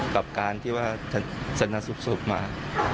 กับการที่ว่าสนสุบมา